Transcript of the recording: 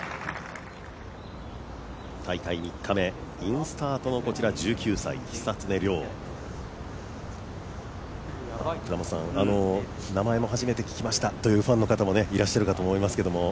大会３日目、インスタートの１９歳、こちら久常涼、名前も初めて聞きましたというファンもいらっしゃるかと思いますけども。